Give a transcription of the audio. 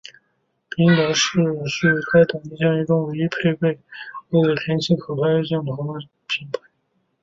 宾得士是在该等级相机中唯一配备恶劣天候可拍摄套装镜头的品牌。